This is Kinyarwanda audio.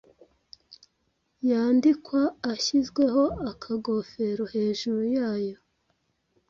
yandikwa ashyizweho akagofero hejuru yayo